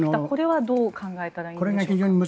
これはどう考えたらいいんでしょう。